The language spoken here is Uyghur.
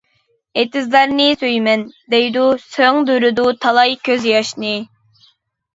«ئېتىزلارنى سۆيىمەن» دەيدۇ، سىڭدۈرىدۇ تالاي كۆز ياشنى.